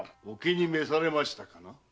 お気に召されましたかな？